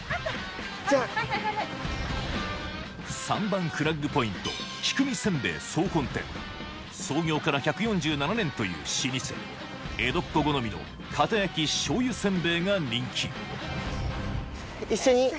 ３番フラッグポイント菊見せんべい総本店創業から１４７年という老舗江戸っ子好みのかた焼き醤油せんべいが人気一緒に。